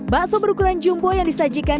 bakso berukuran jumbo yang disajikan